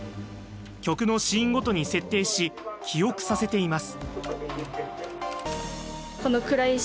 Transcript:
曲のシーンごとに設定し記憶させています。